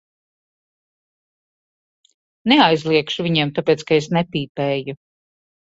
Neaizliegšu viņiem, tāpēc ka es nepīpēju.